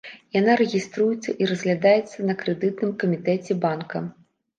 Яна рэгіструецца і разглядаецца на крэдытным камітэце банка.